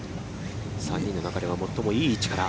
３人の中では最もいい位置から。